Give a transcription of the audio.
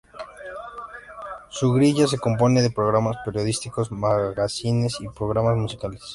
Su grilla se compone de programas periodísticos, magacines y programas musicales.